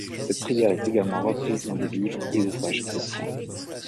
Cette prière est également reprise dans des livres et ouvrages chrétiens.